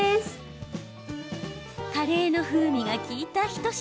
カレーの風味が利いた一品。